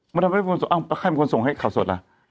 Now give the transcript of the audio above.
ไม่ได้เป็นคนส่งอ้าวแล้วใครเป็นคนส่งให้ข่าวสดล่ะ